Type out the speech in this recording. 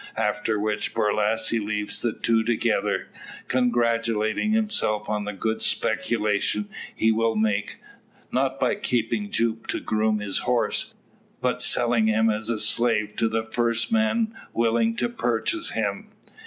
After which, Borlasse leaves the two together, congratulating himself on the good speculation he will make, not by keeping Jupe to groom his horse, but selling him as a slave to the first man met willing to purchase him.